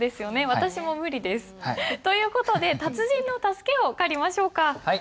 私も無理です。という事で達人の助けを借りましょうか。